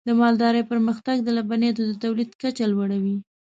د مالدارۍ پرمختګ د لبنیاتو د تولید کچه لوړوي.